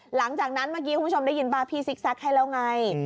หลังจากนั้นเมื่อกี้คุณผู้ชมได้ยินป้าพี่ซิกแซคให้แล้วไง